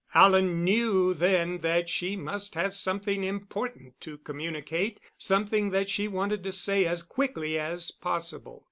Alan knew then that she must have something important to communicate something that she wanted to say as quickly as possible.